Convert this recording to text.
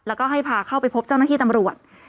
แล้วก็ให้พาเข้าไปพบเจ้าหน้าที่ตำรวจ